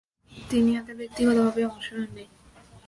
তিনি এতে ব্যক্তিগতভাবে অংশ নেননি।